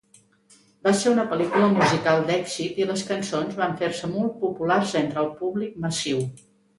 Va ser una pel·lícula musical d'èxit i les cançons van fer-se molt populars entre el públic massiu.